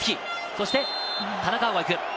そして田中碧が行く。